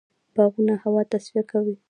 باغونه هوا تصفیه کوي.